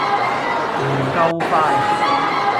唔夠快